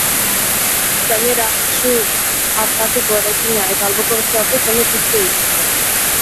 Gainera, su hartutako eraikina eta alboko beste batzuk jendez hustu dituzte.